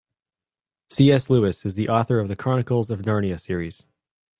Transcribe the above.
C.S. Lewis is the author of The Chronicles of Narnia series.